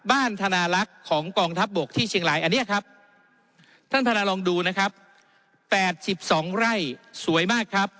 อันนี้ครับท่านพนันลองดูนะครับแปดสิบสองไร่สวยมากครับ